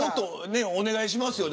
お願いしますよ。